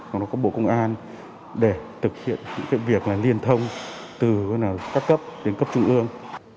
và các bộ công an để thực hiện những việc liên thông từ các cấp đến cấp trung ương